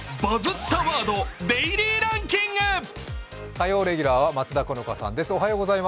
火曜レギュラーは松田好花さんです。